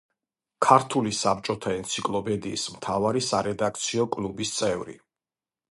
ქართული საბჭოთა ენციკლოპედიის მთავარი სარედაქციო კოლეგიის წევრი.